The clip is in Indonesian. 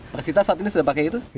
persita saat ini sudah pakai itu